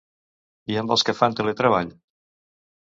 I amb els que fan teletreball?